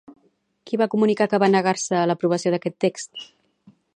Qui va comunicar que va negar-se a l'aprovació d'aquest text?